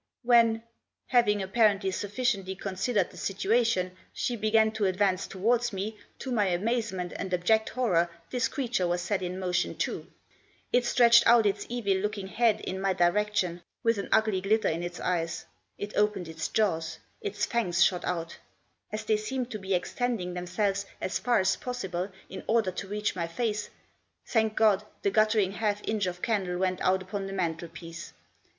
When, having, apparently, sufficiently considered the situation, she began to advance towards me, to my amazement and abject horror this creature was set in piotion too. It stretched out its evil looking head in Digitized by A VISIOK OF THE NIGHT. 121 my direction, with an ugly glitter in its eyes ; it opened its jaws ; its fangs shot out As they seemed to be extending themselves as far as possible, in order to reach my face, thank God, the guttering half inch of candle went out upon the mantelpiece.